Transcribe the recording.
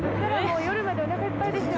夜までおなかいっぱいでしょ